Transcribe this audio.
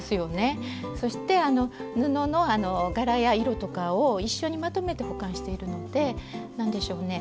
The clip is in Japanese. そして布の柄や色とかを一緒にまとめて保管しているので何でしょうね